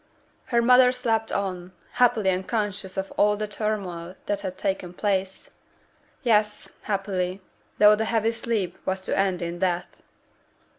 Her mother slept on, happily unconscious of all the turmoil that had taken place; yes, happily, though the heavy sleep was to end in death.